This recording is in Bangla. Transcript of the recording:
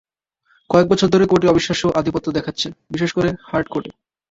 কয়েক বছর ধরে কোর্টে অবিশ্বাস্য আধিপত্য দেখাচ্ছে, বিশেষ করে হার্ড কোর্টে।